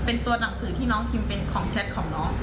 เป็นตัวหนังสือที่น้องพิมพ์เป็นของแชทของน้อง